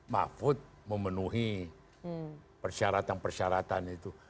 mahfud memenuhi persyaratan persyaratan itu